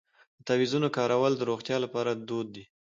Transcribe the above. د تعویذونو کارول د روغتیا لپاره دود دی.